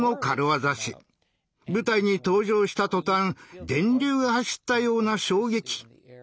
舞台に登場した途端電流が走ったような衝撃！